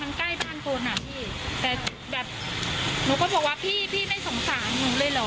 มันใกล้บ้านคนอ่ะพี่แต่แบบหนูก็บอกว่าพี่พี่ไม่สงสารหนูเลยเหรอ